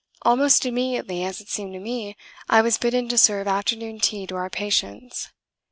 Almost immediately, as it seemed to me, I was bidden to serve afternoon tea to our patients.